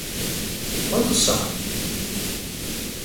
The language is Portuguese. Quantos são?